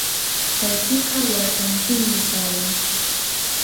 Chaypiqa watantinmi paran.